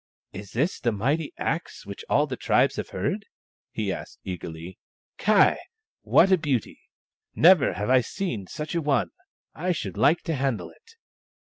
" Is that the mighty axe of which all the tribes have heard ?" he asked eagerly. " Ky ! what a beauty ! Never have I seen such a one ! I should like to handle it."